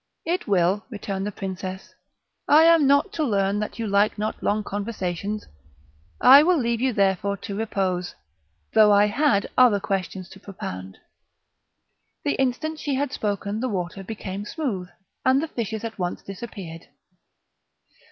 "It will," returned the princess; "I am not to learn that you like not long conversations; I will leave you therefore to repose, though I had other questions to propound." The instant she had spoken the water became smooth, and the fishes at once disappeared.